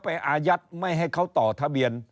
อายัดไม่ให้เขาต่อทะเบียน